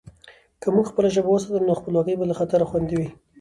که موږ خپله ژبه وساتو، نو خپلواکي به له خطره خوندي وي.